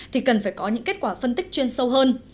thì cần phải có những kết quả phân tích chuyên sâu hơn